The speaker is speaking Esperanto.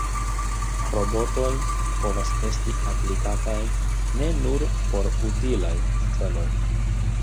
Robotoj povas esti aplikataj ne nur por utilaj celoj.